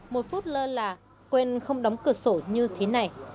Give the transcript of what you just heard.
một phút lơ là quên không đóng cửa sổ như thế này